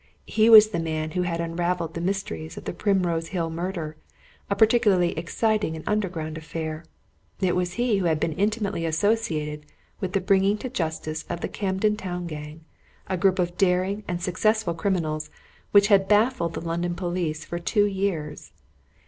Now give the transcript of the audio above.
He was the man who had unravelled the mysteries of the Primrose Hill murder a particularly exciting and underground affair. It was he who had been intimately associated with the bringing to justice of the Camden Town Gang a group of daring and successful criminals which had baffled the London police for two years.